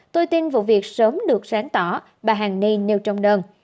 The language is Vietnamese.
tôi tin vụ việc sớm được sáng tỏ bà hàn ni nêu trong đơn